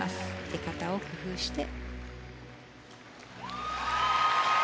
出方を工夫して。